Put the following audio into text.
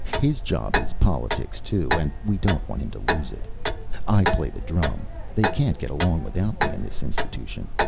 His job is politics, too, and we don't want him to lose it. I play the drum. They can't get along without me in this institution.